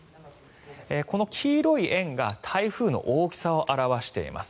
この黄色い円が台風の大きさを表しています。